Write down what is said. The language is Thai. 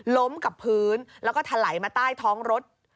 ล้มกับพื้นแล้วก็ถลายมาใต้ท้องรถ